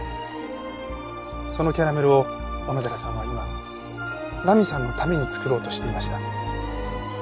そのキャラメルを小野寺さんは今菜美さんのために作ろうとしていました。